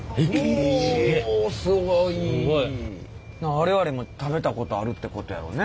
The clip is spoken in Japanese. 我々も食べたことあるってことやろうね。